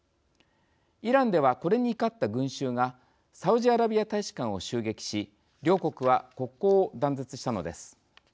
イランでは、これに怒った群衆がサウジアラビア大使館を襲撃し両国は国交を断絶したのです。